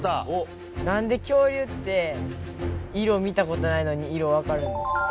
なんで恐竜って色見たことないのに色わかるんですか？